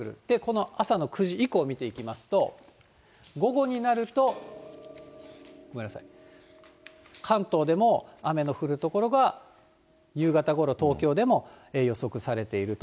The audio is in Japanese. この朝の９時以降見ていきますと、午後になると、ごめんなさい、関東でも雨の降る所が夕方ごろ、東京でも予測されていると。